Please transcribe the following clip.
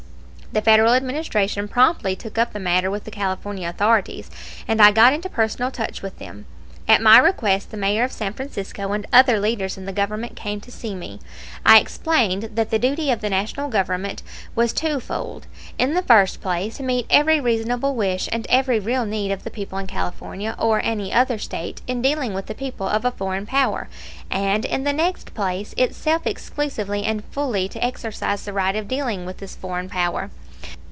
The Federal Administration promptly took up the matter with the California authorities, and I got into personal touch with them. At my request the Mayor of San Francisco and other leaders in the movement came on to see me. I explained that the duty of the National Government was twofold: in the first place, to meet every reasonable wish and every real need of the people of California or any other State in dealing with the people of a foreign power; and, in the next place, itself exclusively and fully to exercise the right of dealing with this foreign power.